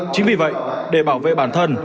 chính vì vậy để bảo vệ bản thân